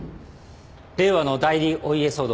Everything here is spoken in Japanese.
令和の代理お家騒動